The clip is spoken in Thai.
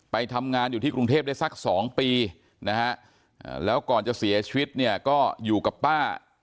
ไปทำงานอยู่ที่กรุงเทพได้สัก๒ปีนะฮะแล้วก่อนจะเสียชีวิตเนี่ยก็อยู่กับป้า